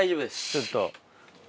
ちょっと。